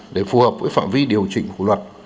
để phù hợp với phạm vi điều chỉnh của luật